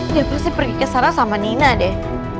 dia pasti pergi kesana sama nina deh